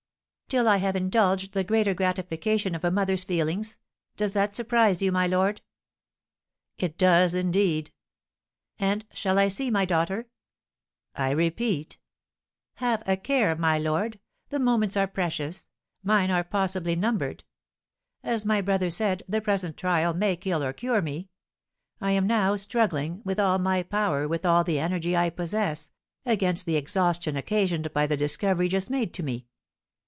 "Till I have indulged the greater gratification of a mother's feelings. Does that surprise you, my lord?" "It does indeed!" "And shall I see my daughter?" "I repeat " "Have a care, my lord, the moments are precious, mine are possibly numbered! As my brother said, the present trial may kill or cure me. I am now struggling, with all my power, with all the energy I possess, against the exhaustion occasioned by the discovery just made to me.